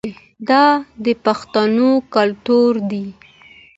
دا د پښتنو کلتور دی.